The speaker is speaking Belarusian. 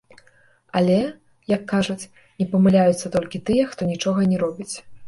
Але, як кажуць, не памыляюцца толькі тыя, хто нічога не робіць.